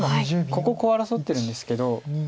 ここコウ争ってるんですけど。